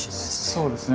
そうですね。